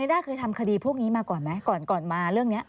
ด้าเคยทำคดีพวกนี้มาก่อนไหมก่อนมาเรื่องนี้